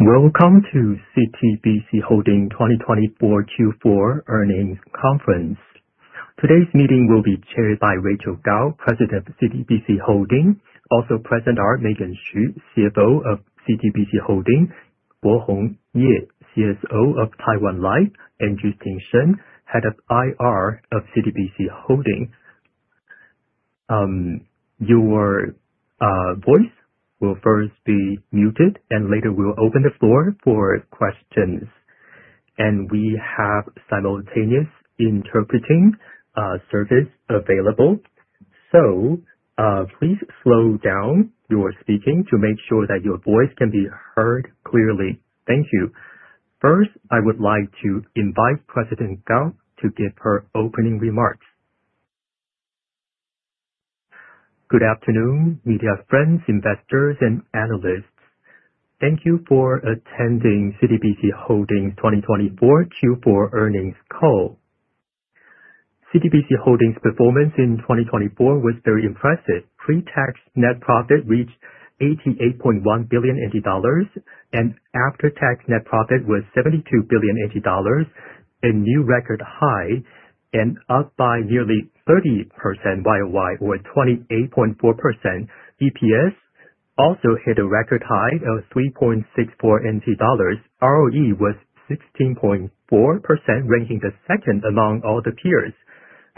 Welcome to CTBC Holding 2024 Q4 earnings conference. Today's meeting will be chaired by Rachael Kao, President of CTBC Holding. Also present are Megan Hsu, CFO of CTBC Holding, Bohong Yeh, CSO of Taiwan Life, and Justine Shen, Head of IR of CTBC Holding. Your voice will first be muted, and later we'll open the floor for questions. We have simultaneous interpreting service available, so please slow down your speaking to make sure that your voice can be heard clearly. Thank you. First, I would like to invite President Kao to give her opening remarks. Good afternoon, media friends, investors, and analysts. Thank you for attending CTBC Holding's 2024 Q4 earnings call. CTBC Holding's performance in 2024 was very impressive. Pre-tax net profit reached 88.1 billion, after-tax net profit was 72 billion, a new record high and up by nearly 30% year-over-year, or 28.4%. EPS also hit a record high of 3.64 NT dollars. ROE was 16.4%, ranking the second among all the peers.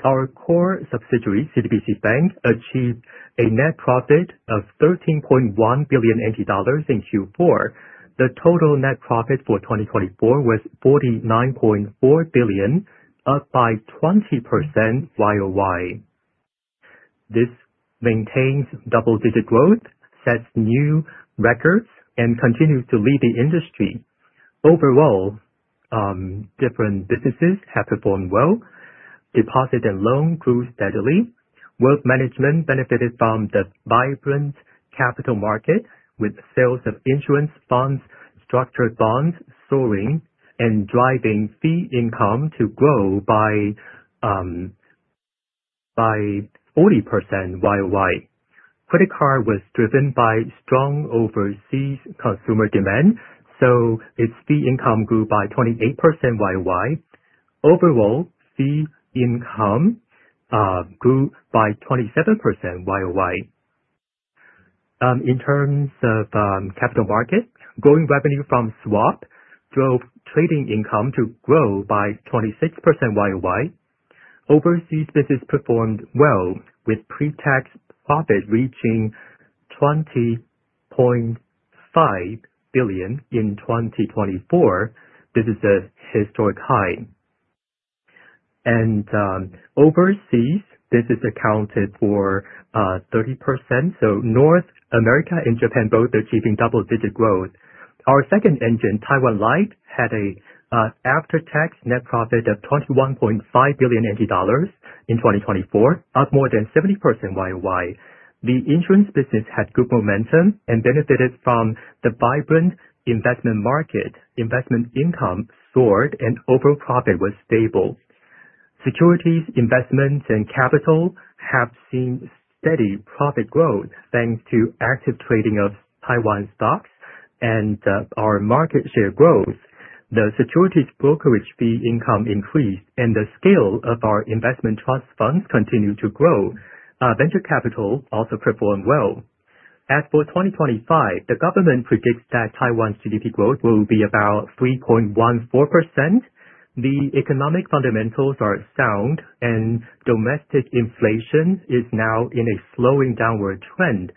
Our core subsidiary, CTBC Bank, achieved a net profit of 13.1 billion in Q4. The total net profit for 2024 was 49.4 billion, up by 20% year-over-year. This maintains double-digit growth, sets new records, and continues to lead the industry. Overall, different businesses have performed well. Deposit and loan grew steadily. Wealth management benefited from the vibrant capital market, with sales of insurance bonds, structured bonds soaring and driving fee income to grow by 40% year-over-year. Credit card was driven by strong overseas consumer demand, its fee income grew by 28% year-over-year. Overall, fee income grew by 27% year-over-year. In terms of capital markets, growing revenue from swap drove trading income to grow by 26% year-over-year. Overseas business performed well, with pre-tax profit reaching TWD 20.5 billion in 2024. This is a historic high. Overseas business accounted for 30%, North America and Japan both achieving double-digit growth. Our second engine, Taiwan Life, had an after-tax net profit of 21.5 billion dollars in 2024, up more than 70% year-over-year. The insurance business had good momentum and benefited from the vibrant investment market. Investment income soared and overall profit was stable. Securities, investments, and capital have seen steady profit growth, thanks to active trading of Taiwan stocks and our market share growth. The securities brokerage fee income increased, the scale of our investment trust funds continue to grow. Venture capital also performed well. As for 2025, the government predicts that Taiwan's GDP growth will be about 3.14%. The economic fundamentals are sound, domestic inflation is now in a slowing downward trend.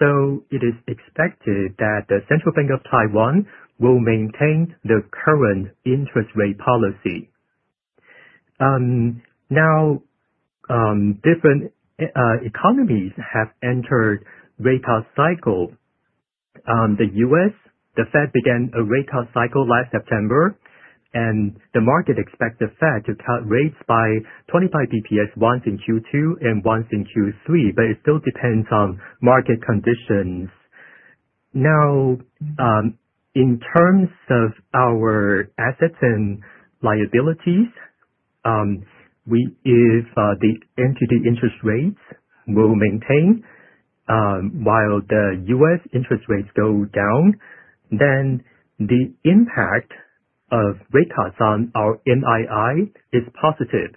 It is expected that the Central Bank of Taiwan will maintain the current interest rate policy. Now, different economies have entered rate cut cycle. The U.S., the Fed began a rate cut cycle last September, the market expects the Fed to cut rates by 25 BPS once in Q2 and once in Q3, but it still depends on market conditions. In terms of our assets and liabilities, if the NTD interest rates will maintain while the U.S. interest rates go down, then the impact of rate cuts on our NII is positive,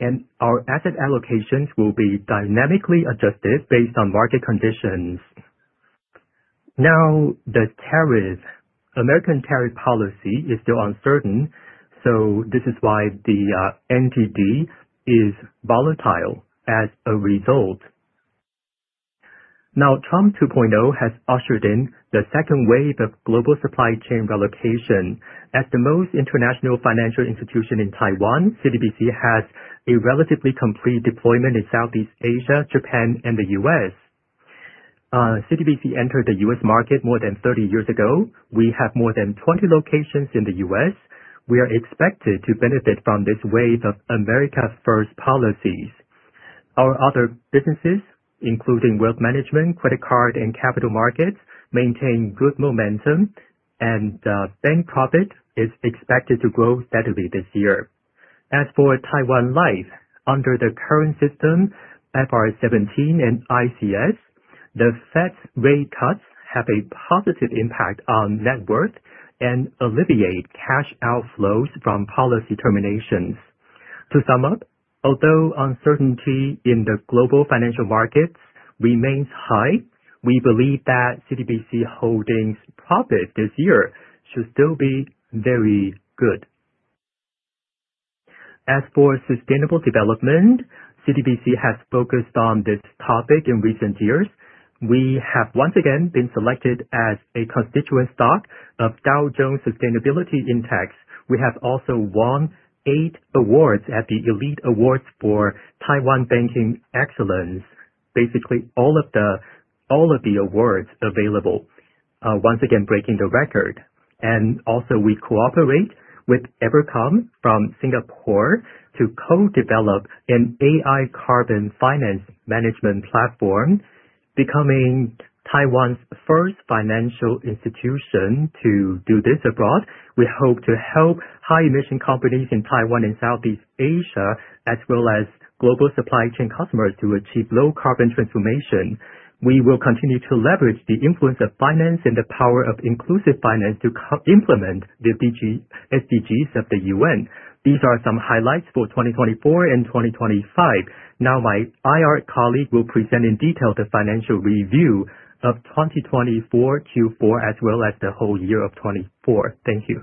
and our asset allocations will be dynamically adjusted based on market conditions. The U.S. tariff policy is still uncertain, this is why the NTD is volatile as a result. Trump 2.0 has ushered in the second wave of global supply chain relocation. As the most international financial institution in Taiwan, CTBC has a relatively complete deployment in Southeast Asia, Japan, and the U.S. CTBC entered the U.S. market more than 30 years ago. We have more than 20 locations in the U.S. We are expected to benefit from this wave of America First policies. Our other businesses, including wealth management, credit card, and capital markets, maintain good momentum, and bank profit is expected to grow steadily this year. As for Taiwan Life, under the current system, IFRS 17 and ICS, the Fed's rate cuts have a positive impact on net worth and alleviate cash outflows from policy terminations. To sum up, although uncertainty in the global financial markets remains high, we believe that CTBC Holdings' profit this year should still be very good. As for sustainable development, CTBC has focused on this topic in recent years. We have once again been selected as a constituent stock of Dow Jones Sustainability Index. We have also won eight awards at the Elite Awards for Taiwan Banking Excellence. Basically, all of the awards available, once again breaking the record. Also we cooperate with Evercomm from Singapore to co-develop an AI carbon finance management platform, becoming Taiwan's first financial institution to do this abroad. We hope to help high-emission companies in Taiwan and Southeast Asia, as well as global supply chain customers to achieve low-carbon transformation. We will continue to leverage the influence of finance and the power of inclusive finance to implement the SDGs of the UN. These are some highlights for 2024 and 2025. My IR colleague will present in detail the financial review of 2024 Q4, as well as the whole year of 2024. Thank you.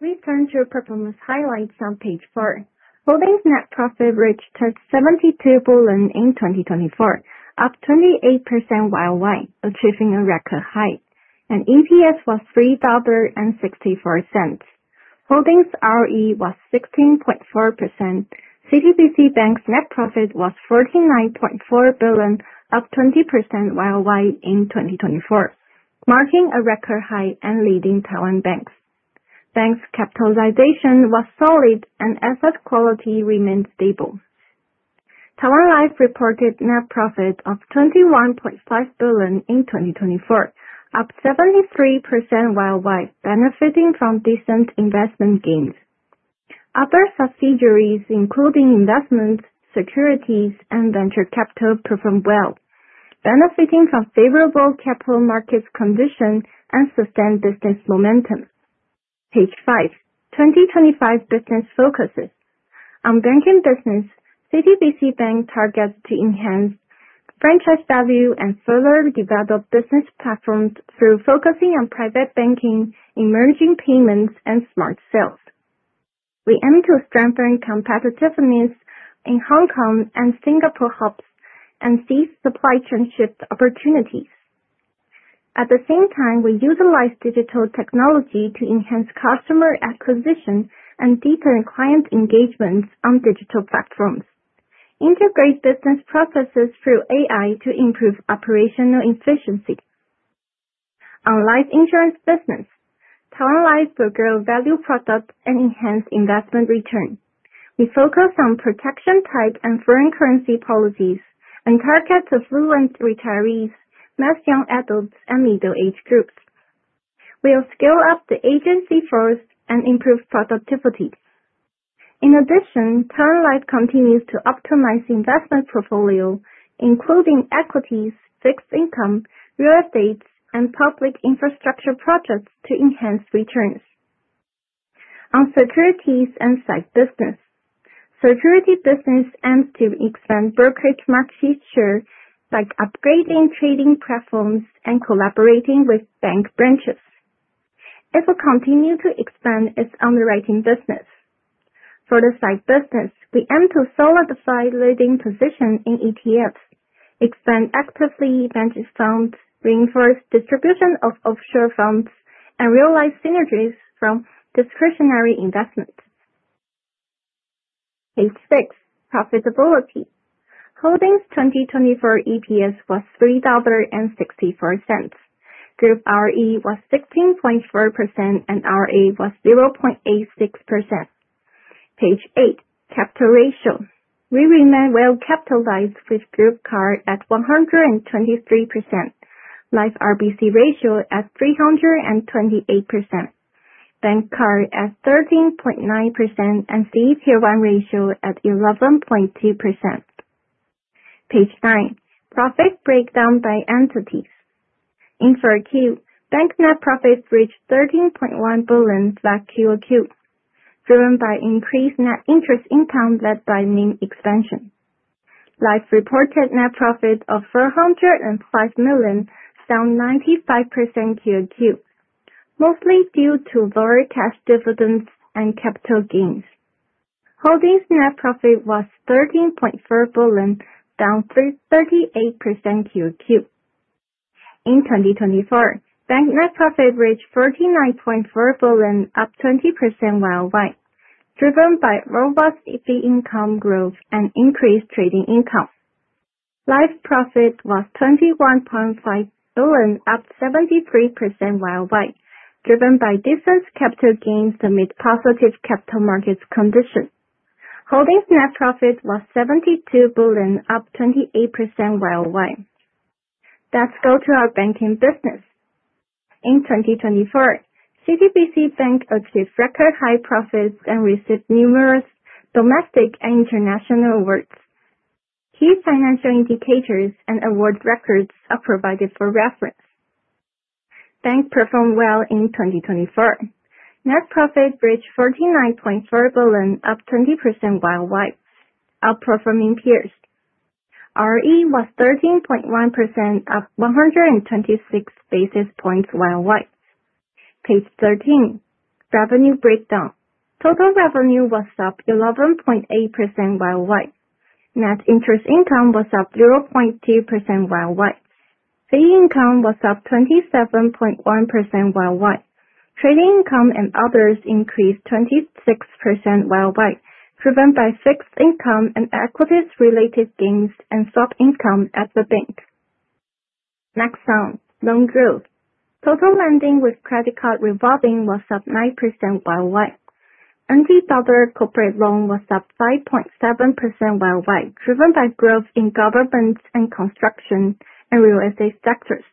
We turn to performance highlights on page four. Holdings net profit reached 72 billion in 2024, up 28% year-over-year, achieving a record high. EPS was 3.64 dollar. Holdings ROE was 16.4%. CTBC Bank's net profit was 49.4 billion, up 20% year-over-year in 2024, marking a record high and leading Taiwan banks. Bank's capitalization was solid and asset quality remained stable. Taiwan Life reported net profit of 21.5 billion in 2024, up 73% year-over-year, benefiting from decent investment gains. Other subsidiaries, including Investments, Securities, and Venture Capital, performed well, benefiting from favorable capital market conditions and sustained business momentum. Page five, 2025 business focuses. On banking business, CTBC Bank targets to enhance franchise value and further develop business platforms through focusing on private banking, emerging payments, and smart sales. We aim to strengthen competitiveness in Hong Kong and Singapore hubs and seize supply chain shift opportunities. At the same time, we utilize digital technology to enhance customer acquisition and deepen client engagements on digital platforms, integrate business processes through AI to improve operational efficiency. Our life insurance business, Taiwan Life, will grow value product and enhance investment return. We focus on protection type and foreign currency policies and target the affluent retirees, less young adults, and middle-aged groups. We will scale up the agency force and improve productivity. In addition, Taiwan Life continues to optimize investment portfolio, including equities, fixed income, real estate, and public infrastructure projects to enhance returns. On securities and SIT business. Security business aims to expand brokerage market share by upgrading trading platforms and collaborating with bank branches. It will continue to expand its underwriting business. For the SIT business, we aim to solidify leading position in ETFs, expand actively managed funds, reinforce distribution of offshore funds, and realize synergies from discretionary investments. Page six, profitability. Holdings 2024 EPS was 3.64 dollar. Group ROE was 16.4% and ROA was 0.86%. Page eight, capital ratio. We remain well capitalized with group CAR at 123%, Life RBC ratio at 328%, Bank CAR at 13.9%, and CET1 ratio at 11.2%. Page nine, profit breakdown by entities. In 4Q, bank net profit reached 13.1 billion, flat QOQ, driven by increased net interest income led by NIM expansion. Life reported net profit of 405 million, down 95% QOQ, mostly due to lower cash dividends and capital gains. Holdings net profit was 13.4 billion, down 38% QOQ. In 2024, bank net profit reached 49.4 billion, up 20% YOY, driven by robust fee income growth and increased trading income. Life profit was 21.5 billion, up 73% YOY, driven by decent capital gains amid positive capital markets condition. Holdings net profit was 72 billion, up 28% YOY. Let's go to our banking business. In 2024, CTBC Bank achieved record high profits and received numerous domestic and international awards. Key financial indicators and award records are provided for reference. Bank performed well in 2024. Net profit reached 49.4 billion, up 20% year-on-year, outperforming peers. ROE was 13.1%, up 126 basis points year-on-year. Page 13, revenue breakdown. Total revenue was up 11.8% year-on-year. Net interest income was up 0.2% year-on-year. Fee income was up 27.1% year-on-year. Trading income and others increased 26% year-on-year, driven by fixed income and equities-related gains and swap income at the bank. Next slide. Loan growth. Total lending with credit card revolving was up 9% year-on-year. NTD corporate loan was up 5.7% year-on-year, driven by growth in governments and construction and real estate sectors.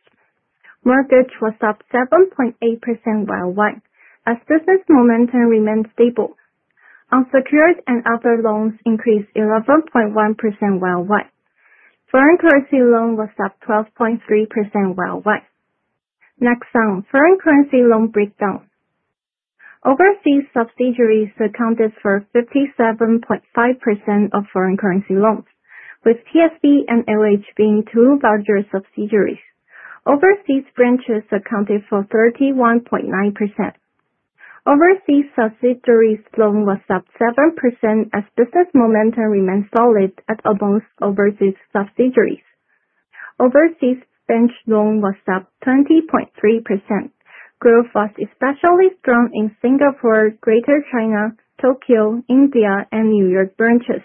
Mortgage was up 7.8% year-on-year, as business momentum remained stable. Unsecured and other loans increased 11.1% year-on-year. Foreign currency loan was up 12.3% year-on-year. Next slide. Foreign currency loan breakdown. Overseas subsidiaries accounted for 57.5% of foreign currency loans, with TSB and LH being two larger subsidiaries. Overseas branches accounted for 31.9%. Overseas subsidiaries loan was up 7% as business momentum remained solid at most overseas subsidiaries. Overseas branch loan was up 20.3%. Growth was especially strong in Singapore, Greater China, Tokyo, India, and New York branches,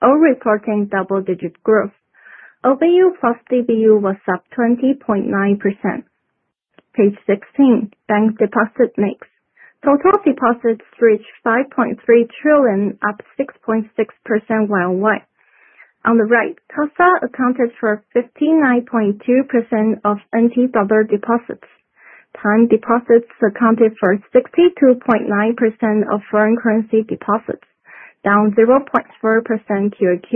all reporting double-digit growth. OBU plus DBU was up 20.9%. Page 16, bank deposit mix. Total deposits reached 5.3 trillion, up 6.6% year-on-year. On the right, CASA accounted for 59.2% of NTD deposits. Time deposits accounted for 62.9% of foreign currency deposits, down 0.4% QOQ.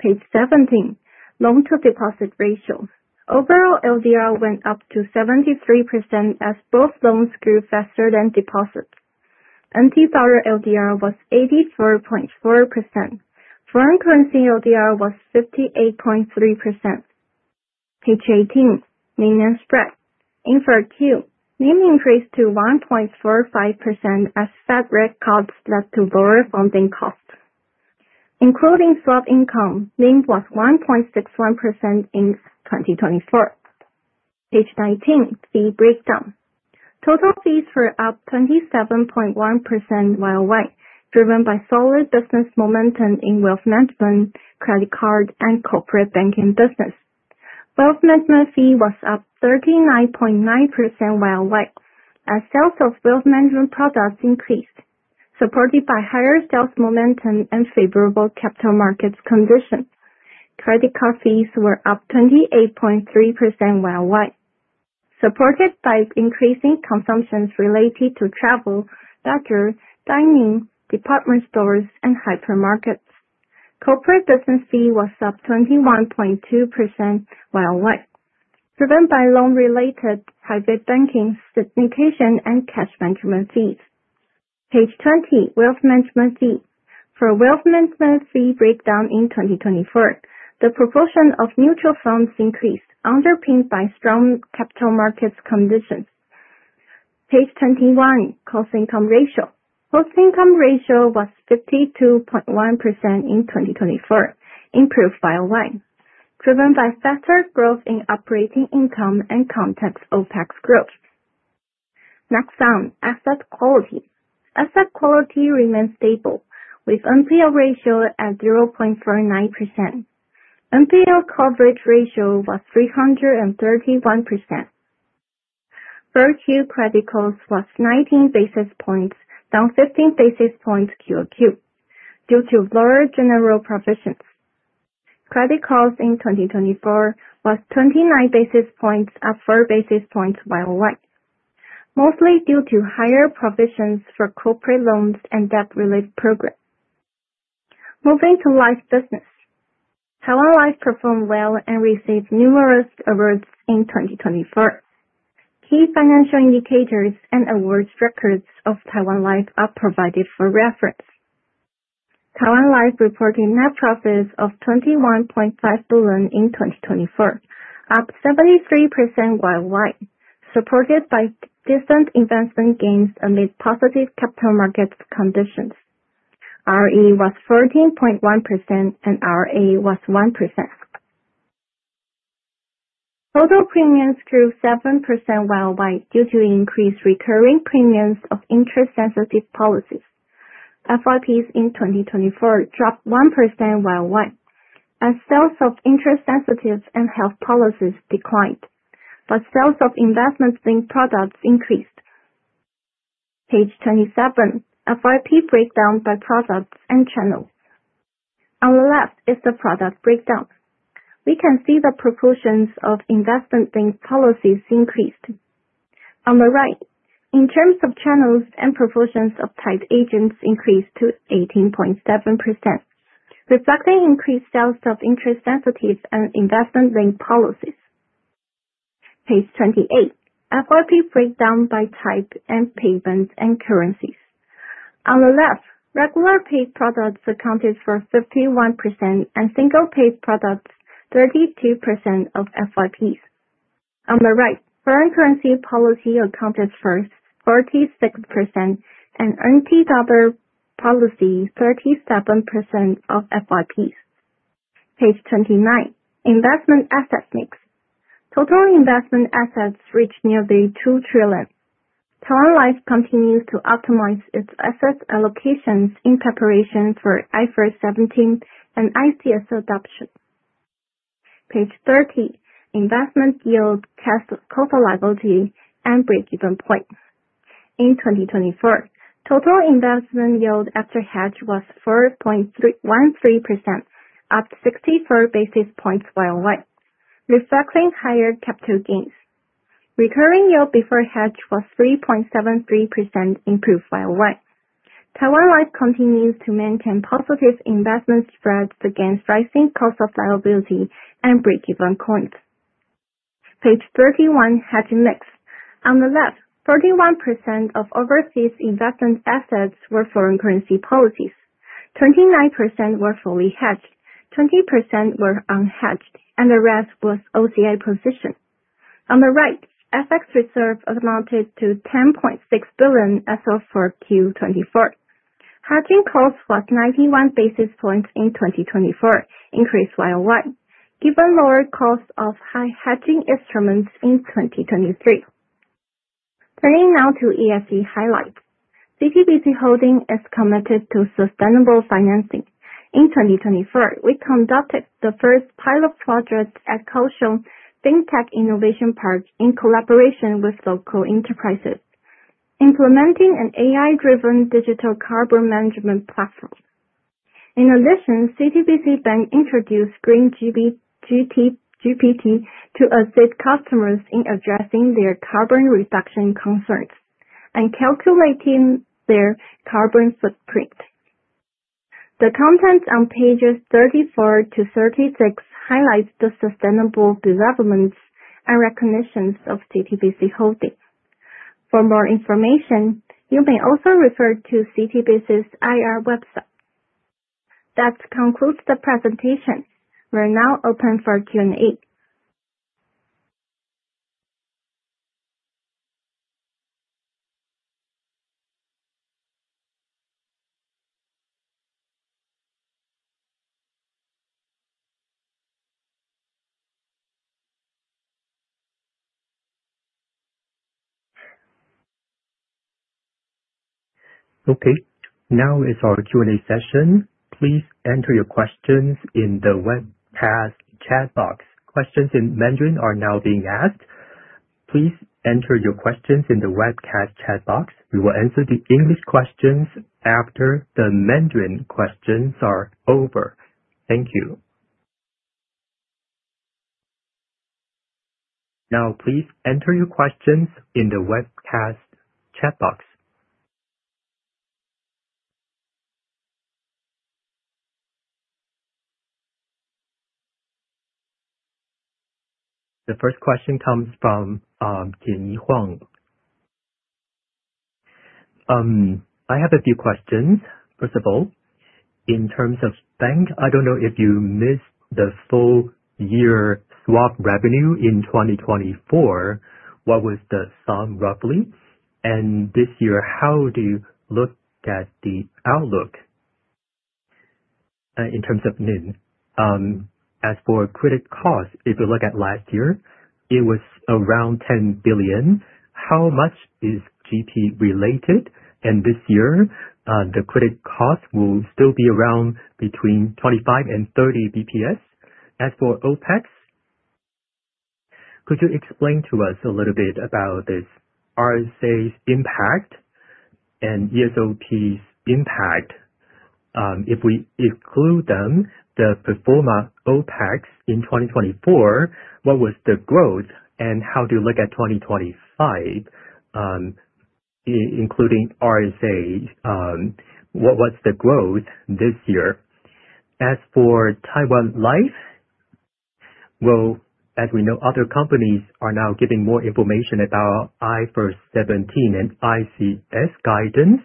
Page 17, loan-to-deposit ratio. Overall LDR went up to 73% as both loans grew faster than deposits. NT dollar LDR was 84.4%. Foreign currency LDR was 58.3%. Page 18, net interest spread. In Q4, NIM increased to 1.45% as Fed rate cuts led to lower funding costs. Including swap income, NIM was 1.61% in 2024. Page 19, fee breakdown. Total fees were up 27.1% year-over-year, driven by solid business momentum in wealth management, credit card, and corporate banking business. Wealth management fee was up 39.9% year-over-year, as sales of wealth management products increased, supported by higher sales momentum and favorable capital markets conditions. Credit card fees were up 28.3% year-over-year, supported by increasing consumptions related to travel, leisure, dining, department stores, and hypermarkets. Corporate business fee was up 21.2% year-over-year, driven by loan-related private banking, syndication, and cash management fees. Page 20, wealth management fee. For wealth management fee breakdown in 2024, the proportion of mutual funds increased, underpinned by strong capital markets conditions. Page 21, cost income ratio. Cost income ratio was 52.1% in 2024, improved year-over-year, driven by faster growth in operating income and contained OPEX growth. Next slide, asset quality. Asset quality remained stable, with NPL ratio at 0.49%. NPL coverage ratio was 331%. Q4 credit cost was 19 basis points, down 15 basis points quarter-over-quarter, due to lower general provisions. Credit cost in 2024 was 29 basis points, up four basis points year-over-year, mostly due to higher provisions for corporate loans and debt relief programs. Moving to life business. Taiwan Life performed well and received numerous awards in 2024. Key financial indicators and awards records of Taiwan Life are provided for reference. Taiwan Life reported net profits of 21.5 billion in 2024, up 73% year-over-year, supported by decent investment gains amid positive capital markets conditions. ROE was 14.1% and RA was 1%. Total premiums grew 7% year-over-year due to increased recurring premiums of interest-sensitive policies. FYPs in 2024 dropped 1% year-over-year as sales of interest-sensitive and health policies declined, but sales of investment link products increased. Page 27. FYP breakdown by products and channels. On the left is the product breakdown. We can see the proportions of investment-linked policies increased. On the right, in terms of channels and proportions of type, agents increased to 18.7%, reflecting increased sales of interest sensitives and investment-linked policies. Page 28, FYP breakdown by type and payments and currencies. On the left, regular paid products accounted for 51% and single paid products 32% of FYPs. On the right, foreign currency policy accounted for 46% and NT$ policy 37% of FYPs. Page 29. Investment assets mix. Total investment assets reached nearly 2 trillion. Taiwan Life continues to optimize its assets allocations in preparation for IFRS 17 and ICS adoption. Page 30, investment yield, cost of liability, and break-even point. In 2024, total investment yield after hedge was 4.13%, up 64 basis points year-over-year, reflecting higher capital gains. Recurring yield before hedge was 3.73%, improved year-over-year. Taiwan Life continues to maintain positive investment spreads against rising cost of liability and break-even points. Page 31, hedging mix. On the left, 41% of overseas investment assets were foreign currency policies, 29% were fully hedged, 20% were unhedged, and the rest was OCA position. On the right, FX reserve amounted to 10.6 billion as of 4Q 2024. Hedging cost was 91 basis points in 2024, increased year-over-year, given lower cost of hedging instruments in 2023. Turning now to ESG highlights. CTBC Holding is committed to sustainable financing. In 2024, we conducted the first pilot project at Kaohsiung Fintech Innovation Park in collaboration with local enterprises, implementing an AI-driven digital carbon management platform. In addition, CTBC Bank introduced GreenGPT to assist customers in addressing their carbon reduction concerns and calculating their carbon footprint. The contents on pages 34 to 36 highlight the sustainable developments and recognitions of CTBC Holding. For more information, you may also refer to CTBC's IR website. That concludes the presentation. We're now open for Q&A. Now is our Q&A session. Please enter your questions in the webcast chat box. Questions in Mandarin are now being asked. Please enter your questions in the webcast chat box. We will answer the English questions after the Mandarin questions are over. Thank you. Please enter your questions in the webcast chat box. The first question comes from Jenny Huang. I have a few questions. First of all, in terms of bank, I don't know if you missed the full year swap revenue in 2024. What was the sum roughly? This year, how do you look at the outlook, in terms of NIM? As for credit cost, if you look at last year, it was around 10 billion. How much is GP related? This year, the credit cost will still be around between 25 and 30 BPS. As for OPEX, could you explain to us a little bit about this RSA impact and ESOP's impact? If we include them, the pro forma OPEX in 2024, what was the growth and how do you look at 2025, including RSA? What was the growth this year? As for Taiwan Life, as we know, other companies are now giving more information about IFRS 17 and ICS guidance.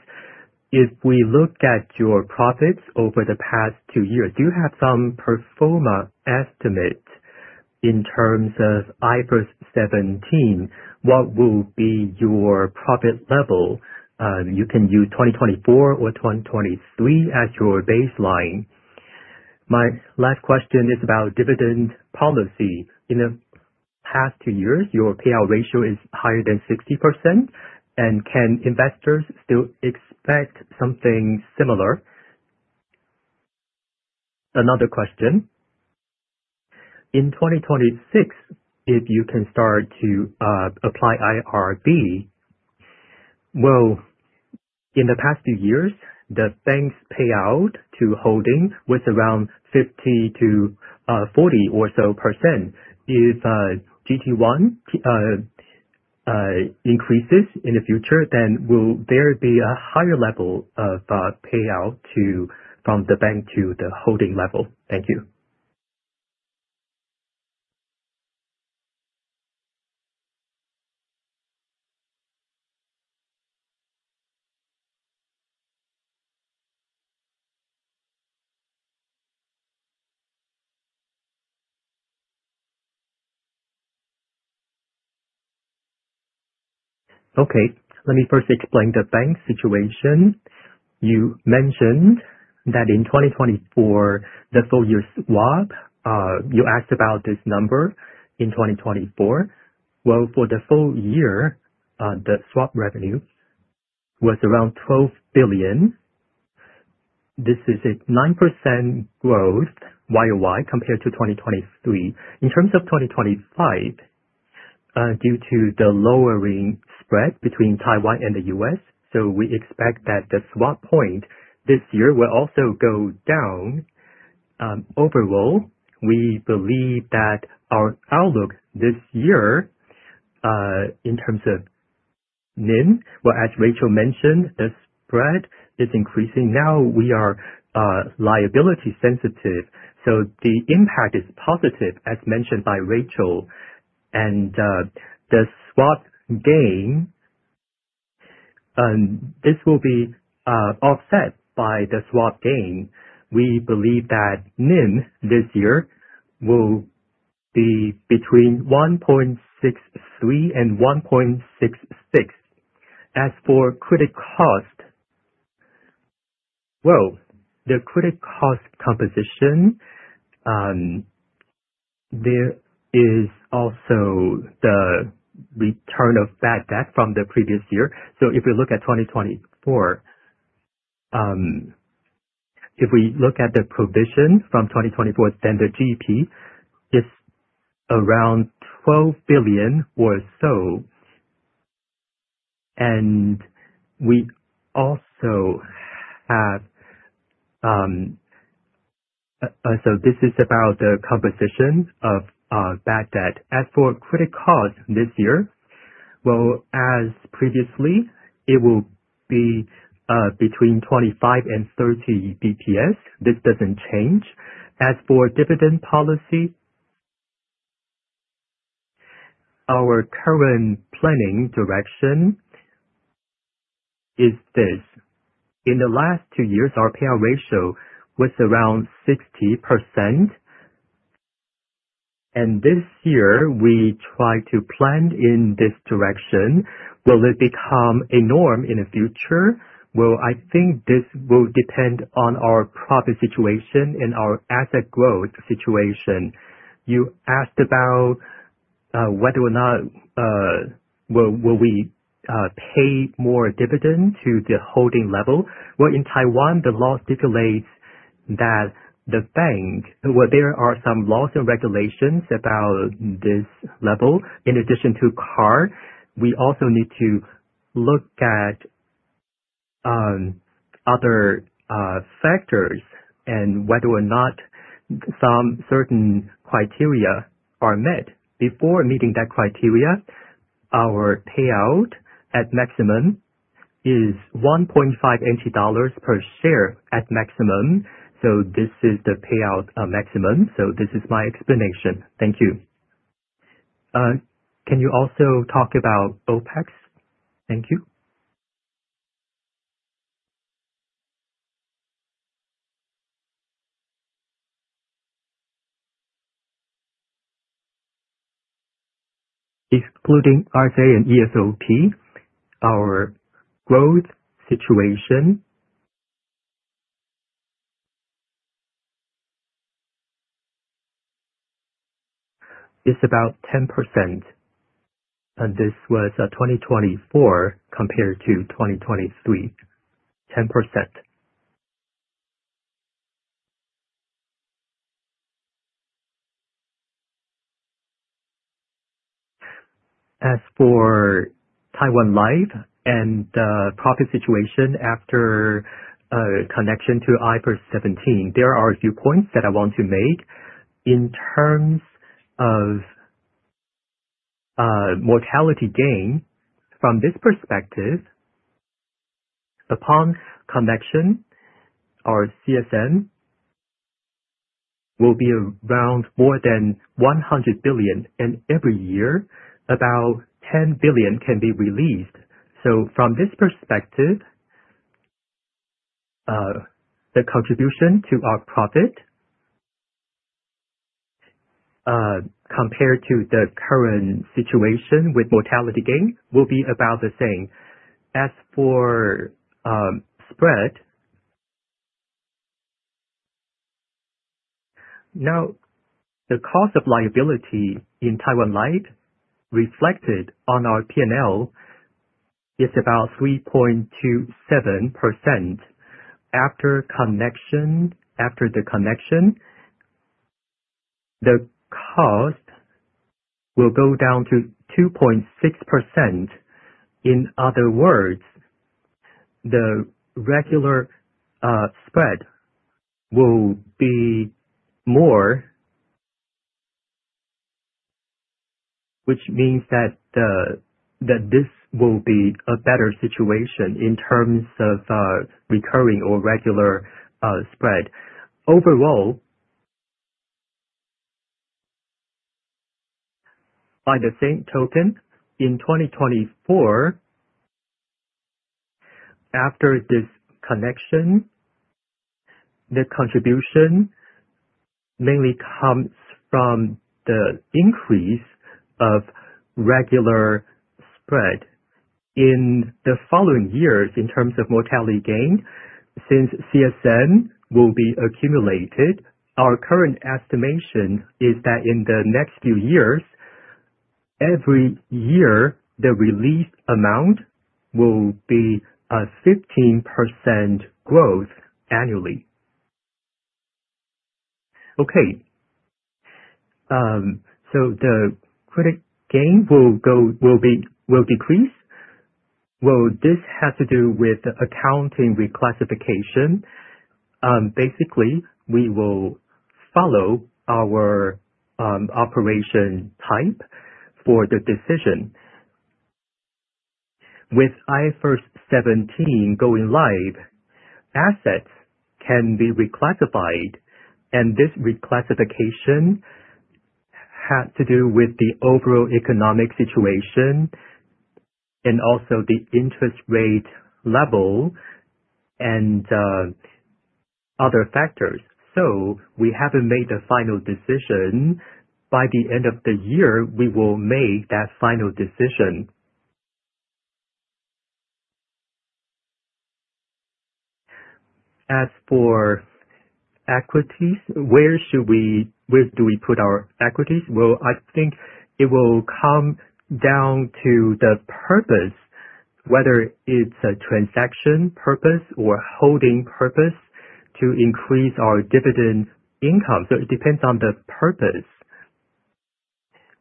If we look at your profits over the past two years, do you have some pro forma estimate in terms of IFRS 17? What will be your profit level? You can use 2024 or 2023 as your baseline. My last question is about dividend policy. In the past two years, your payout ratio is higher than 60%, can investors still expect something similar? Another question. In 2026, if you can start to apply IRB, in the past few years, the banks payout to holding was around 50% to 40% or so percent. If CET1 increases in the future, will there be a higher level of payout from the bank to the holding level? Thank you. Let me first explain the bank situation. You mentioned that in 2024, the full year swap, you asked about this number in 2024. For the full year, the swap revenue was around 12 billion. This is a 9% growth year-over-year compared to 2023. In terms of 2025, due to the lowering spread between Taiwan and the U.S., we expect that the swap point this year will also go down. We believe that our outlook this year, in terms of NIM, as Rachael mentioned, the spread is increasing. Now we are liability sensitive, the impact is positive, as mentioned by Rachael. This will be offset by the swap gain. We believe that NIM this year will be between 1.63% and 1.66%. As for credit cost, well, the credit cost composition, there is also the return of bad debt from the previous year. If you look at 2024, if we look at the provision from 2024 standard GP, it's around TWD 12 billion or so. This is about the composition of bad debt. As for credit card this year, well, as previously, it will be between 25 and 30 BPS. This doesn't change. As for dividend policy, our current planning direction is this. In the last two years, our payout ratio was around 60%, and this year, we try to plan in this direction. Will it become a norm in the future? Well, I think this will depend on our profit situation and our asset growth situation. You asked about whether or not will we pay more dividend to the holding level. Well, in Taiwan, the law stipulates that the bank, well, there are some laws and regulations about this level. In addition to CAR, we also need to look at other factors and whether or not some certain criteria are met. Before meeting that criteria, our payout at maximum is 1.5 NT dollars per share at maximum. This is the payout maximum. This is my explanation. Thank you. Can you also talk about OPEX? Thank you. Excluding RSU and ESOP, our growth situation is about 10%, and this was 2024 compared to 2023, 10%. As for Taiwan Life and the profit situation after connection to IFRS 17, there are a few points that I want to make. In terms of mortality gain, from this perspective, upon connection, our CSM will be around more than 100 billion, and every year, about 10 billion can be released. From this perspective, the contribution to our profit, compared to the current situation with mortality gain, will be about the same. As for spread Now, the cost of liability in Taiwan Life reflected on our P&L It's about 3.27%. After the connection, the cost will go down to 2.6%. In other words, the regular spread will be more, which means that this will be a better situation in terms of recurring or regular spread overall. By the same token, in 2024, after this connection, the contribution mainly comes from the increase of regular spread. In the following years, in terms of mortality gain, since CSM will be accumulated, our current estimation is that in the next few years, every year, the release amount will be a 15% growth annually. Okay. The credit gain will decrease. Well, this has to do with accounting reclassification. Basically, we will follow our operation type for the decision. With IFRS 17 going live, assets can be reclassified, and this reclassification has to do with the overall economic situation and also the interest rate level and other factors. We haven't made a final decision. By the end of the year, we will make that final decision. As for equities, where do we put our equities? Well, I think it will come down to the purpose, whether it's a transaction purpose or holding purpose to increase our dividend income. It depends on the purpose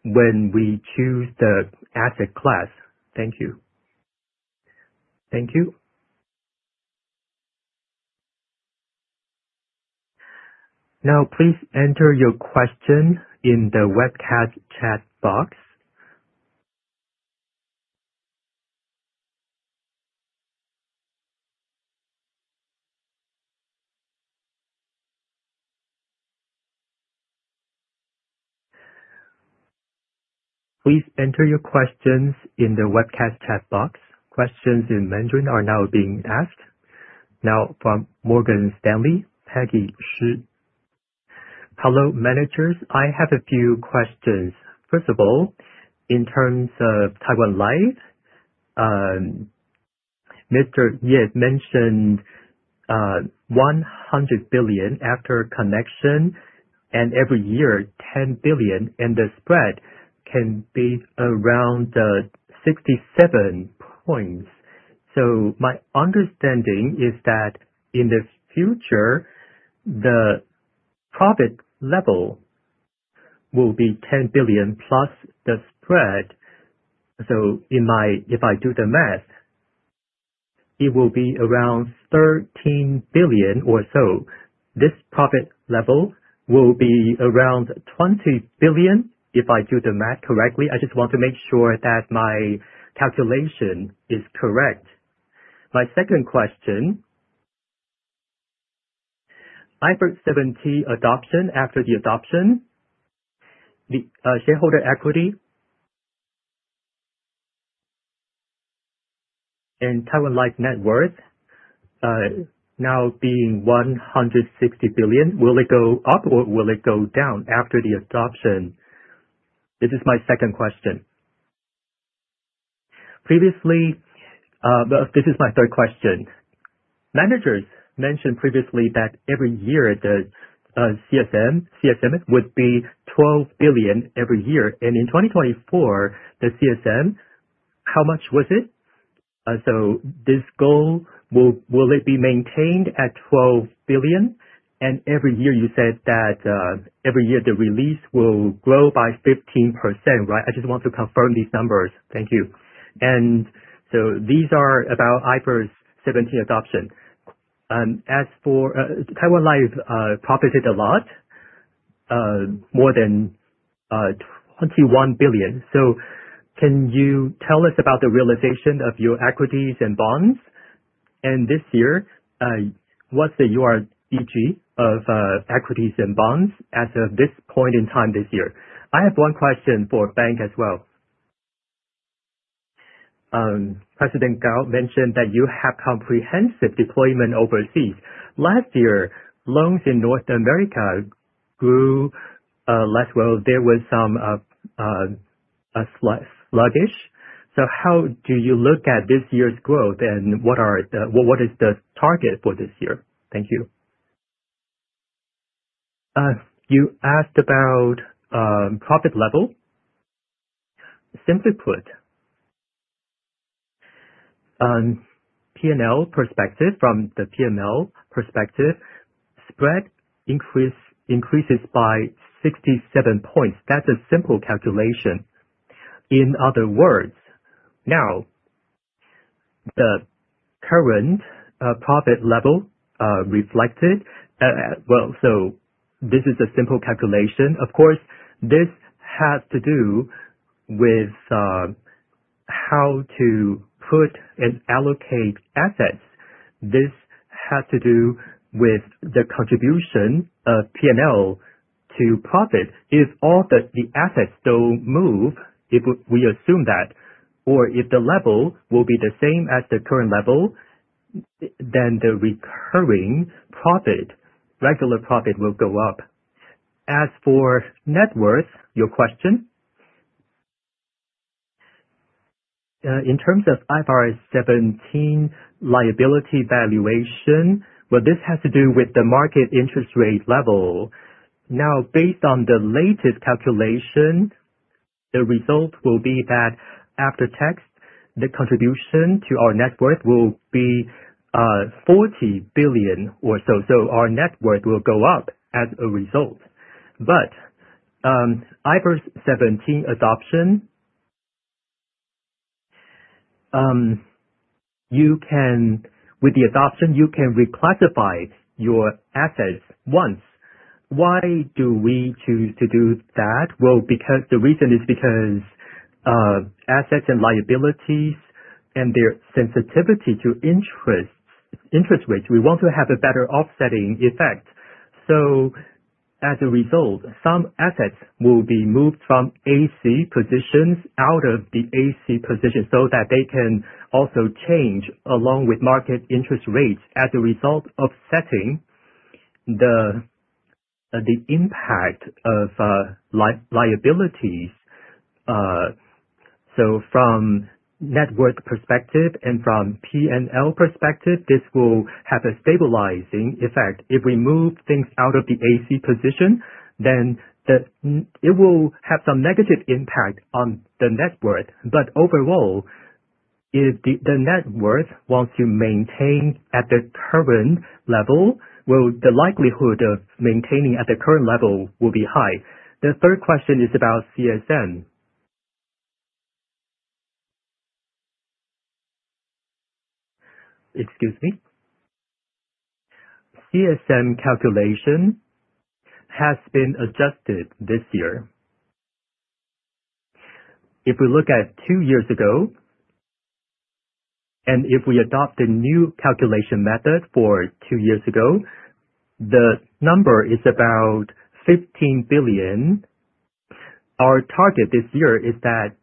when we choose the asset class. Thank you. Thank you. Please enter your question in the webcast chat box. Please enter your questions in the webcast chat box. Questions in Mandarin are now being asked. From Morgan Stanley, Peggy Shih. Hello, managers. I have a few questions. First of all, in terms of Taiwan Life, Mr. Yeh mentioned, 100 billion after connection, and every year, 10 billion, and the spread can be around the 67 points. My understanding is that in the future, the profit level will be 10 billion plus the spread. If I do the math, it will be around 13 billion or so. This profit level will be around 20 billion if I do the math correctly. I just want to make sure that my calculation is correct. My second question, IFRS 17 adoption. After the adoption, the shareholder equity and Taiwan Life net worth being 160 billion, will it go up or will it go down after the adoption? This is my second question. This is my third question. Managers mentioned previously that the CSM would be 12 billion every year. In 2024, the CSM, how much was it? This goal, will it be maintained at 12 billion? Every year you said that the release will grow by 15%, right? I just want to confirm these numbers. Thank you. These are about IFRS 17 adoption. As for Taiwan Life, profit is a lot, more than 21 billion. Can you tell us about the realization of your equities and bonds? This year, what's the URGL of equities and bonds as of this point in time this year? I have one question for bank as well. President Gao mentioned that you have comprehensive deployment overseas. Last year, loans in North America grew less well. There was some sluggish. How do you look at this year's growth, and what is the target for this year? Thank you. You asked about profit level. Simply put, from the P&L perspective, spread increases by 67 points. That's a simple calculation. In other words, now the current profit level reflected this is a simple calculation. Of course, this has to do with how to put and allocate assets. This has to do with the contribution of P&L to profit. If all the assets don't move, if we assume that, or if the level will be the same as the current level, then the recurring profit, regular profit will go up. As for net worth, your question, in terms of IFRS 17 liability valuation, this has to do with the market interest rate level. Based on the latest calculation, the result will be that after tax, the contribution to our net worth will be 40 billion or so. Our net worth will go up as a result. IFRS 17 adoption, with the adoption, you can reclassify your assets once. Why do we choose to do that? The reason is because assets and liabilities and their sensitivity to interest rates, we want to have a better offsetting effect. As a result, some assets will be moved from AC positions out of the AC position so that they can also change along with market interest rates as a result of setting the impact of liabilities. From net worth perspective and from P&L perspective, this will have a stabilizing effect. If we move things out of the AC position, then it will have some negative impact on the net worth. Overall, if the net worth wants to maintain at the current level, well, the likelihood of maintaining at the current level will be high. The third question is about CSM. Excuse me. CSM calculation has been adjusted this year. If we look at two years ago, and if we adopt a new calculation method for two years ago, the number is about 15 billion. Our target this year is that,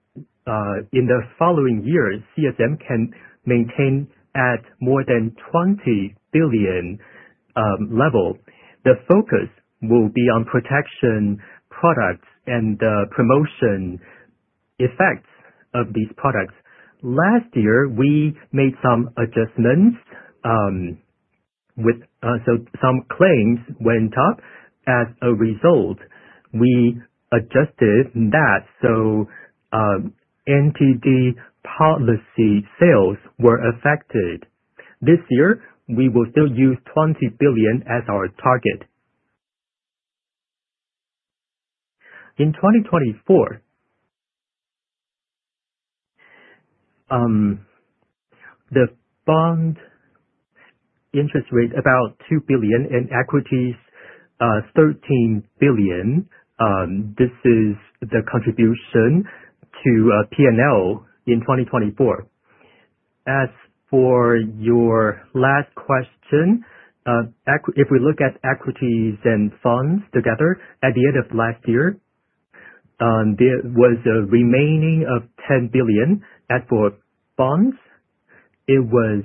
in the following year, CSM can maintain at more than 20 billion level. The focus will be on protection products and the promotion effects of these products. Last year, we made some adjustments. Some claims went up. As a result, we adjusted that. NTD policy sales were affected. This year, we will still use 20 billion as our target. In 2024, the bond interest rate about 2 billion in equities, 13 billion. This is the contribution to P&L in 2024. As for your last question, if we look at equities and funds together at the end of last year, there was a remaining of 10 billion. As for bonds, it was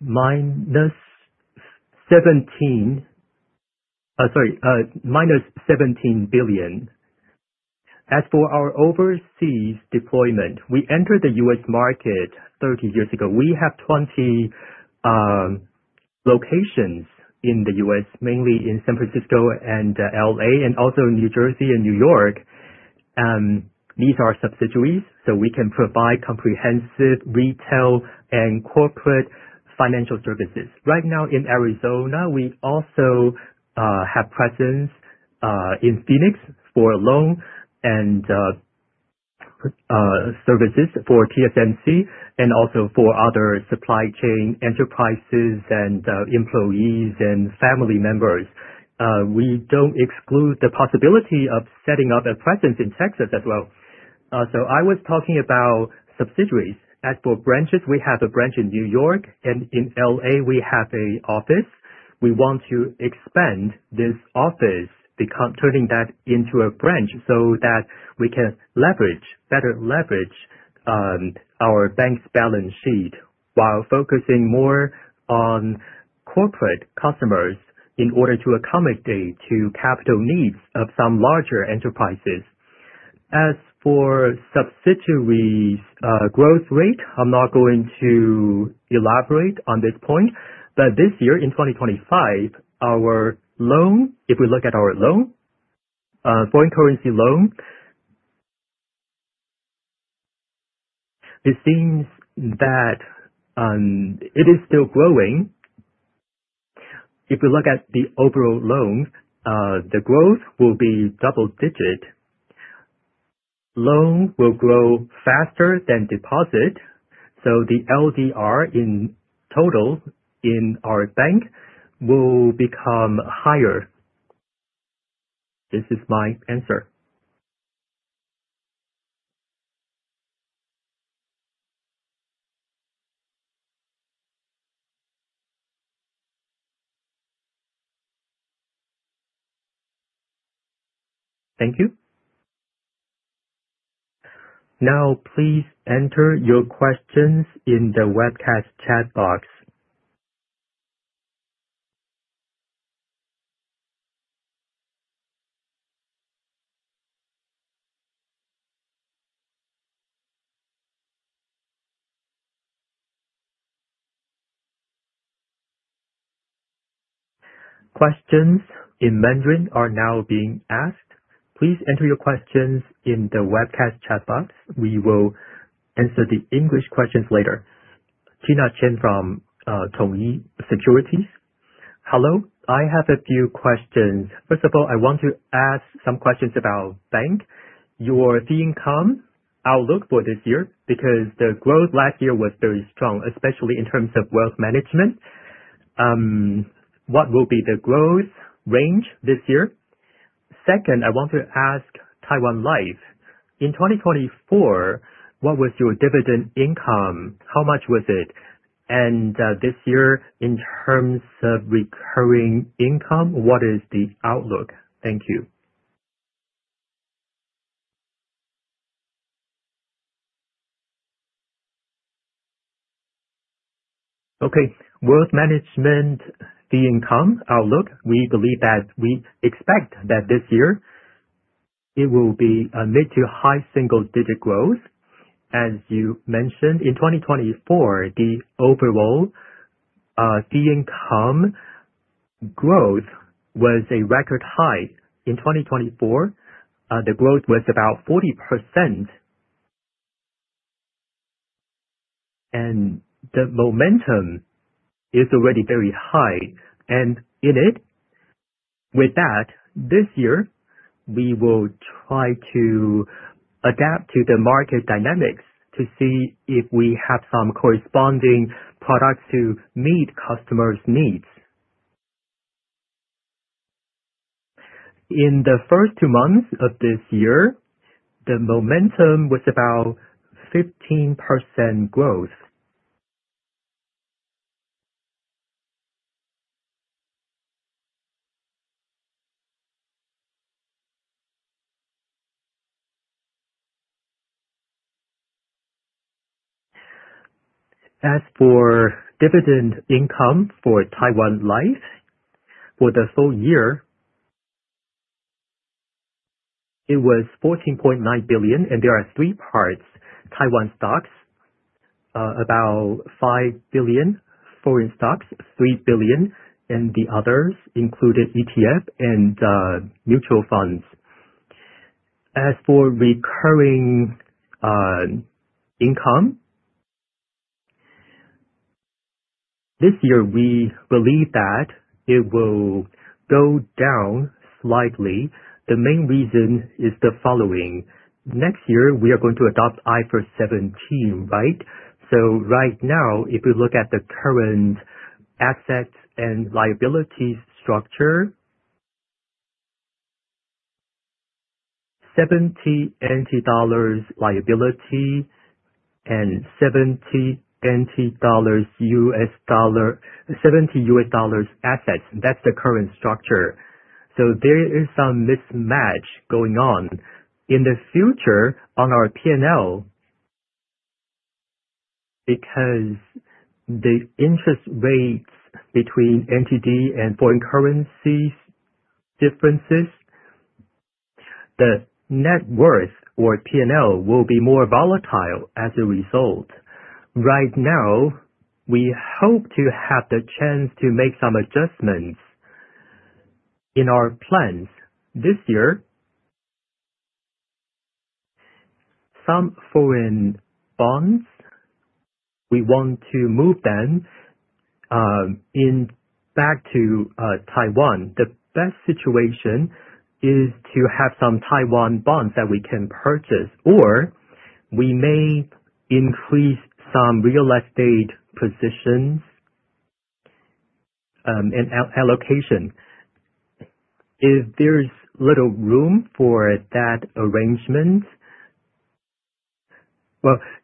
minus 17 billion. As for our overseas deployment, we entered the U.S. market 30 years ago. We have 20 locations in the U.S., mainly in San Francisco and L.A., and also New Jersey and New York. These are subsidiaries, so we can provide comprehensive retail and corporate financial services. Right now in Arizona, we also have presence in Phoenix for loan and services for TSMC and also for other supply chain enterprises and employees and family members. We don't exclude the possibility of setting up a presence in Texas as well. I was talking about subsidiaries. As for branches, we have a branch in New York, and in L.A., we have a office. We want to expand this office, turning that into a branch so that we can better leverage our bank's balance sheet while focusing more on corporate customers in order to accommodate to capital needs of some larger enterprises. As for subsidiaries growth rate, I'm not going to elaborate on this point, but this year, in 2025, if we look at our foreign currency loan, it seems that it is still growing. If we look at the overall loan, the growth will be double digit. Loan will grow faster than deposit, so the LDR in total in our bank will become higher. This is my answer. Thank you. Now, please enter your questions in the webcast chat box. Questions in Mandarin are now being asked. Please enter your questions in the webcast chat box. We will answer the English questions later. Tina Chin from Tongyi Securities. Hello. I have a few questions. First of all, I want to ask some questions about bank, your fee income outlook for this year, because the growth last year was very strong, especially in terms of wealth management. What will be the growth range this year? Second, I want to ask Taiwan Life, in 2024, what was your dividend income? How much was it? And this year, in terms of recurring income, what is the outlook? Thank you. Okay. Wealth management fee income outlook, we believe that we expect that this year it will be a mid to high single-digit growth. As you mentioned, in 2024, the overall fee income growth was a record high. In 2024, the growth was about 40%, and the momentum is already very high. This year, we will try to adapt to the market dynamics to see if we have some corresponding products to meet customers' needs. In the first two months of this year, the momentum was about 15% growth. As for dividend income for Taiwan Life, for the full year, it was 14.9 billion, and there are 3 parts. Taiwan stocks, about 5 billion; foreign stocks, 3 billion; and the others included ETF and mutual funds. As for recurring income, this year, we believe that it will go down slightly. The main reason is the following. Next year, we are going to adopt IFRS 17, right? Right now, if we look at the current assets and liabilities structure, 70 dollars liability and 70 dollars assets, that's the current structure. There is some mismatch going on. In the future on our P&L, because the interest rates between NTD and foreign currencies differences, the net worth or P&L will be more volatile as a result. Right now, we hope to have the chance to make some adjustments in our plans. This year, some foreign bonds, we want to move them back to Taiwan. The best situation is to have some Taiwan bonds that we can purchase, or we may increase some real estate positions and allocation. If there's little room for that arrangement,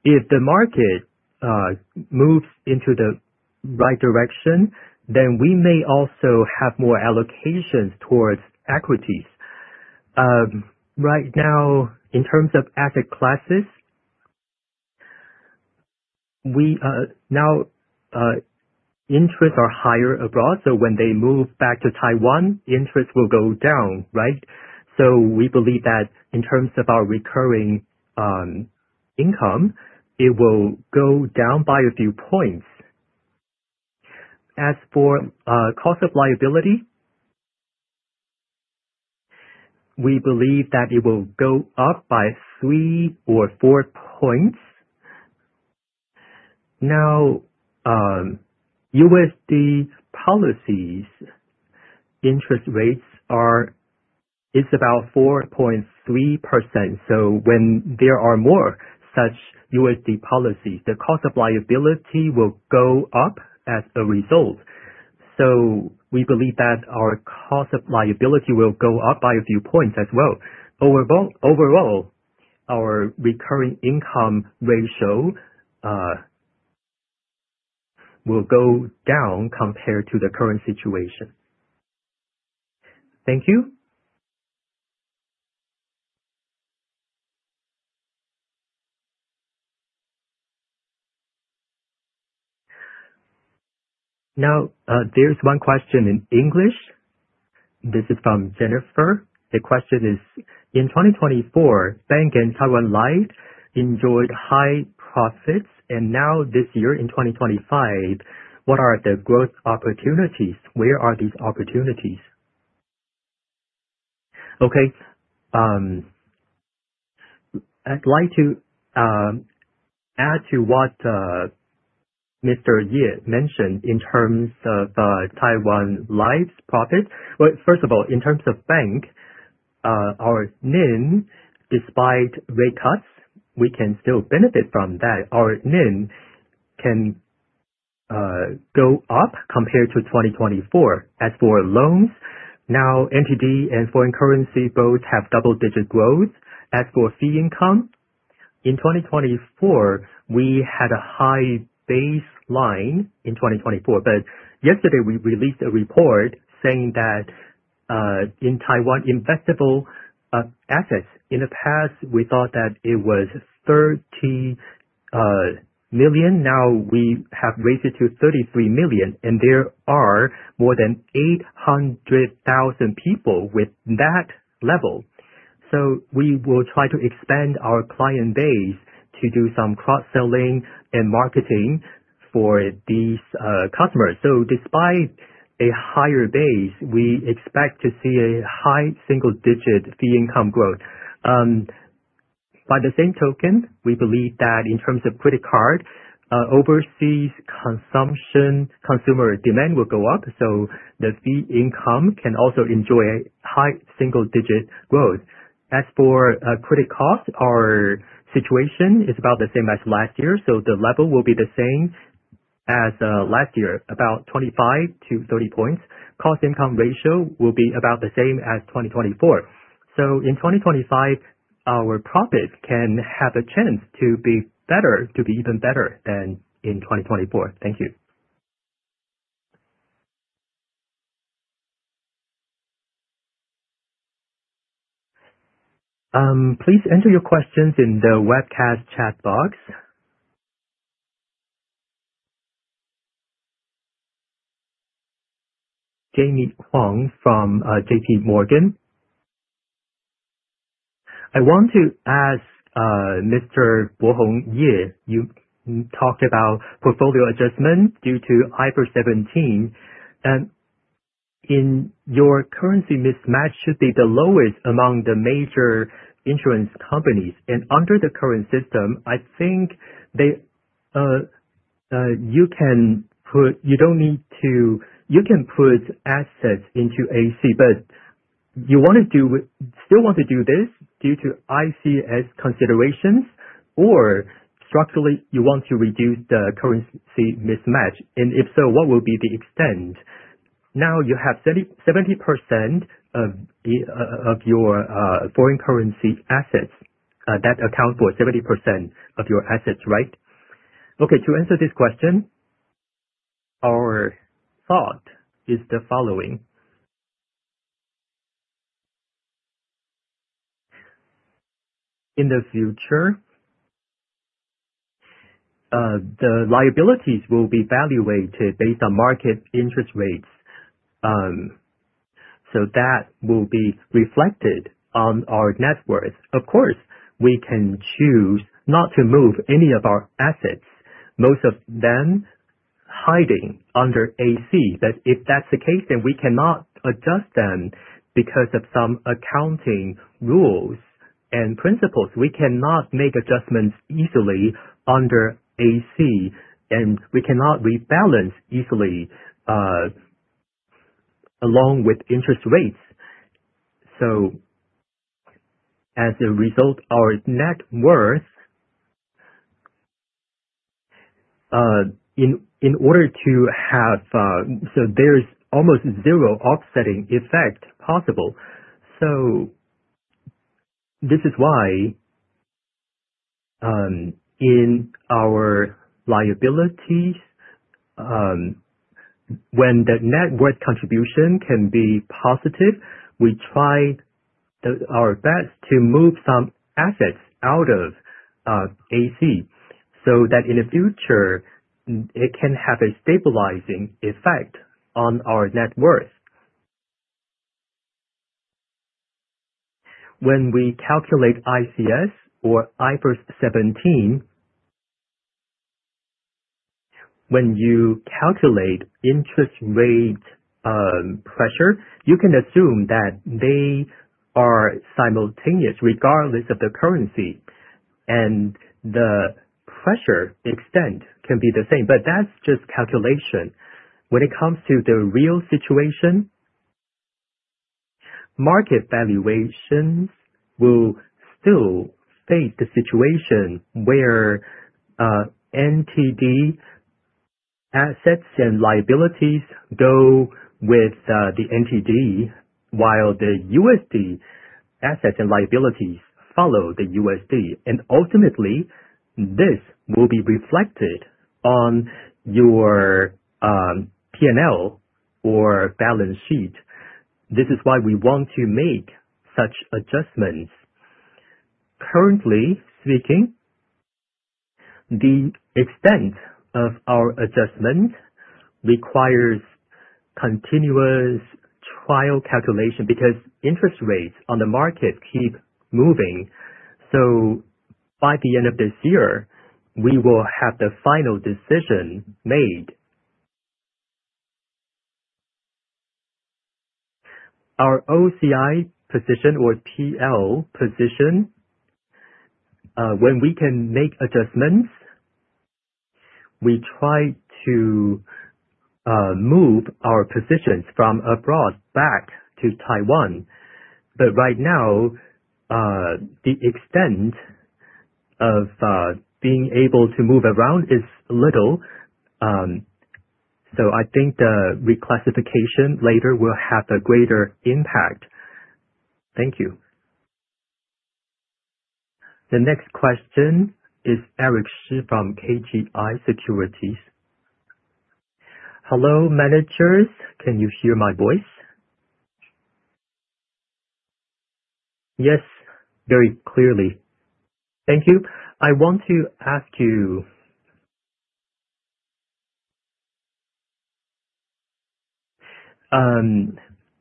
if the market moves into the right direction, we may also have more allocations towards equities. Right now, in terms of asset classes, interests are higher abroad, when they move back to Taiwan, interest will go down, right? We believe that in terms of our recurring income, it will go down by a few points. As for cost of liability, we believe that it will go up by 3 or 4 points. Now, USD policies interest rates are about 4.3%, when there are more such USD policies, the cost of liability will go up as a result. We believe that our cost of liability will go up by a few points as well. Overall, our recurring income ratio will go down compared to the current situation. Thank you. There's one question in English. This is from Jenny. The question is, "In 2024, bank and Taiwan Life enjoyed high profits, this year in 2025, what are the growth opportunities? Where are these opportunities?" I'd like to add to what Mr. Ye mentioned in terms of Taiwan Life's profits. First of all, in terms of bank, our NIM, despite rate cuts, we can still benefit from that. Our NIM can go up compared to 2024. As for loans, now NTD and foreign currency both have double-digit growth. As for fee income, in 2024, we had a high baseline in 2024. Yesterday, we released a report saying that in Taiwan, investable assets, in the past, we thought that it was 30 million. Now we have raised it to 33 million, and there are more than 800,000 people with that level. We will try to expand our client base to do some cross-selling and marketing for these customers. Despite a higher base, we expect to see a high single-digit fee income growth. By the same token, we believe that in terms of credit card, overseas consumer demand will go up, so the fee income can also enjoy high single-digit growth. As for credit costs, our situation is about the same as last year, so the level will be the same as last year, about 25-30 points. Cost-income ratio will be about the same as 2024. In 2025, our profits can have a chance to be even better than in 2024. Thank you. Please enter your questions in the webcast chat box. Jaime Huang from JPMorgan. I want to ask Mr. Bohong Yeh, you talked about portfolio adjustments due to IFRS 17, and your currency mismatch should be the lowest among the major insurance companies. Under the current system, I think you can put assets into AC, but you still want to do this due to ICS considerations, or structurally, you want to reduce the currency mismatch. If so, what will be the extent? Now you have 70% of your foreign currency assets. That accounts for 70% of your assets, right? Okay, to answer this question, our thought is the following. In the future, the liabilities will be valuated based on market interest rates. That will be reflected on our net worth. Of course, we can choose not to move any of our assets, most of them hiding under AC. But if that's the case, then we cannot adjust them because of some accounting rules and principles. We cannot make adjustments easily under AC, and we cannot rebalance easily along with interest rates. As a result, our net worth, in order to have, so there is almost zero offsetting effect possible. This is why in our liabilities, when the net worth contribution can be positive, we try our best to move some assets out of AC, so that in the future, it can have a stabilizing effect on our net worth. When we calculate ICS or IFRS 17, when you calculate interest rate pressure, you can assume that they are simultaneous regardless of the currency, and the pressure extent can be the same. But that's just calculation. When it comes to the real situation, market valuations will still face the situation where NTD assets and liabilities go with the NTD, while the USD assets and liabilities follow the USD. Ultimately, this will be reflected on your P&L or balance sheet. This is why we want to make such adjustments. Currently speaking, the extent of our adjustment requires continuous trial calculation because interest rates on the market keep moving. By the end of this year, we will have the final decision made. Our OCI position or TL position, when we can make adjustments, we try to move our positions from abroad back to Taiwan. But right now, the extent of being able to move around is little. I think the reclassification later will have a greater impact. Thank you. The next question is Eric Shih from KGI Securities. Hello, managers. Can you hear my voice? Yes, very clearly. Thank you. I want to ask you,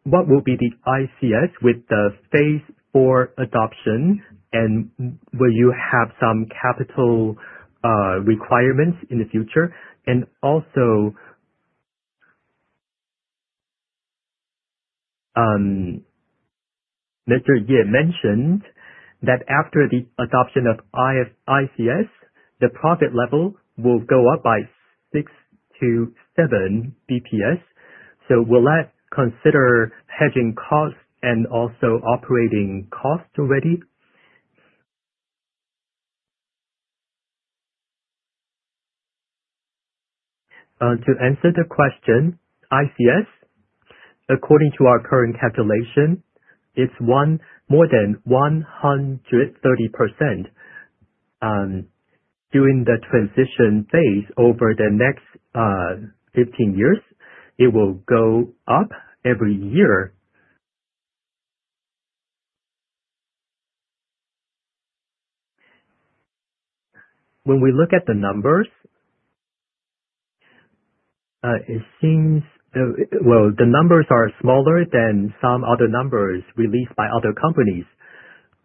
what will be the ICS with the phase four adoption, and will you have some capital requirements in the future? Also, Mr. Ye mentioned that after the adoption of ICS, the profit level will go up by six to seven BPS. Will that consider hedging costs and also operating costs already? To answer the question, ICS, according to our current calculation, it's more than 130%. During the transition phase over the next 15 years, it will go up every year. When we look at the numbers, it seems, Well, the numbers are smaller than some other numbers released by other companies.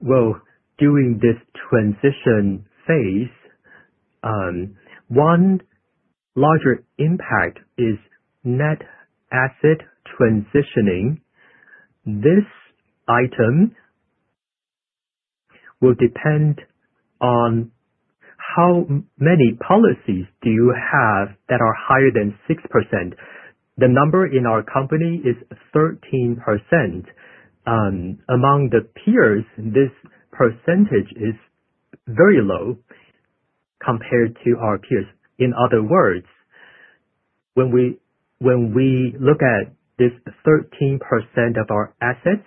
Well, during this transition phase, one larger impact is net asset transitioning. This item will depend on how many policies do you have that are higher than 6%. The number in our company is 13%. Among the peers, this percentage is very low compared to our peers. In other words, when we look at this 13% of our assets,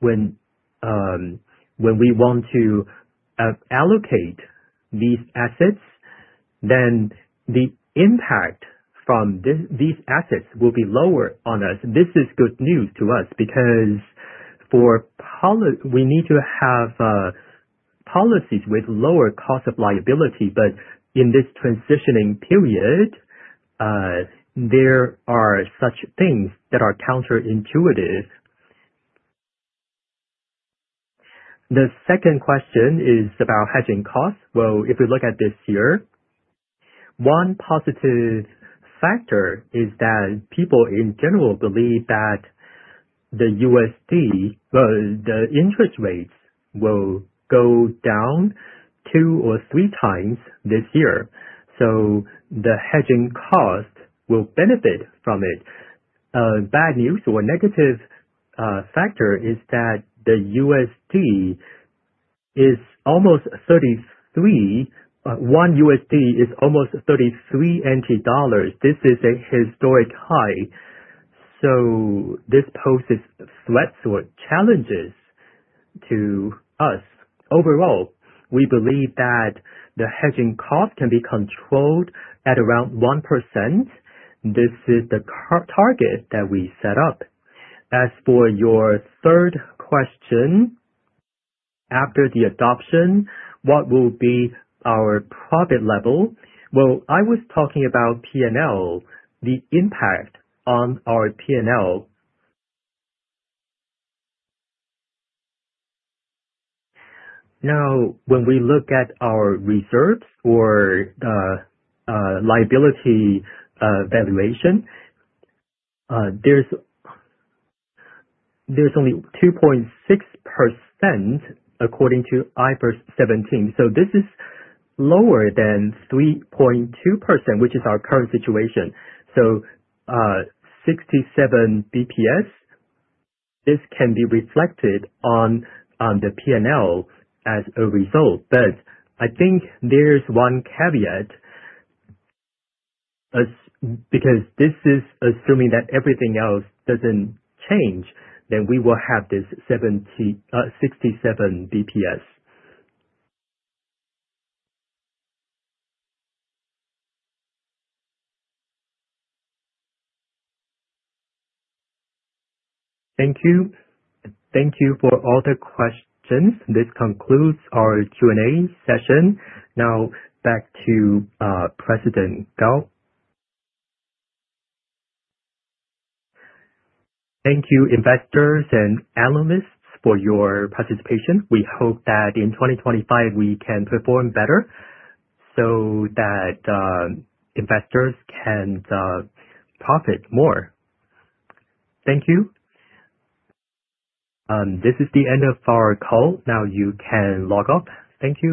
when we want to allocate these assets, then the impact from these assets will be lower on us. This is good news to us because we need to have policies with lower cost of liability. In this transitioning period, there are such things that are counterintuitive. The second question is about hedging costs. Well, if we look at this year, one positive factor is that people in general believe that the interest rates will go down two or three times this year. The hedging cost will benefit from it. Bad news or negative factor is that the USD is almost 33. One USD is almost 33 NTD. This is a historic high, this poses threats or challenges to us. Overall, we believe that the hedging cost can be controlled at around 1%. This is the target that we set up. As for your third question, after the adoption, what will be our profit level? Well, I was talking about P&L, the impact on our P&L. When we look at our reserves for liability valuation, there's only 2.6% according to IFRS 17. This is lower than 3.2%, which is our current situation. 67 BPS, this can be reflected on the P&L as a result. I think there's one caveat. This is assuming that everything else doesn't change, we will have this 67 BPS. Thank you. Thank you for all the questions. This concludes our Q&A session. Back to President Gao. Thank you, investors and analysts for your participation. We hope that in 2025 we can perform better that investors can profit more. Thank you. This is the end of our call. You can log off. Thank you.